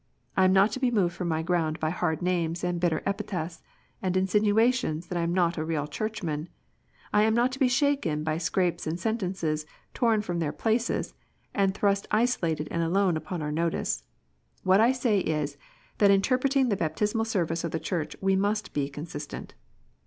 I am not to be moved from my ground by hard names, and bitter epithets, and insinuations that I am not a real Churchman. I am not to be shaken by scraps and sentences torn from their places, and thrust isolated and alone upon our notice. What I say is, that in interpreting the Baptismal Service of the Church we must be consistent.